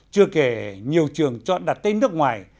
chưa kể nhiều trường chọn đặt tên nước ngoài